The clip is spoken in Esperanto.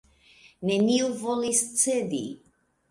Neniu volis cedi.